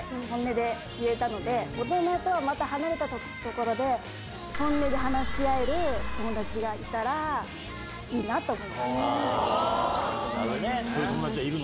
大人とはまた離れたところで本音で話し合える友達がいたらいいなと思います。